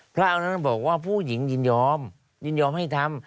อันนั้นบอกว่าผู้หญิงยินยอมยินยอมให้ทำ